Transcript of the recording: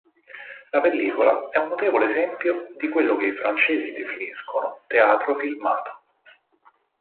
La pellicola è un notevole esempio di quello che i francesi definiscono "teatro filmato".